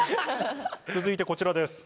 続いてこちらです。